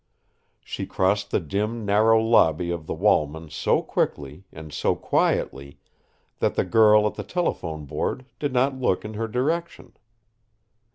She crossed the dim, narrow lobby of the Walman so quickly, and so quietly, that the girl at the telephone board did not look in her direction.